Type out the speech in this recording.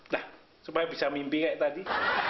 nah supaya bisa mimpi kayak tadi